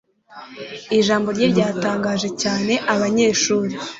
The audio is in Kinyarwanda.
ijambo rye ryatangaje cyane abanyeshuri